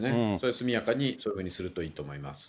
速やかにそういうふうにするといいと思います。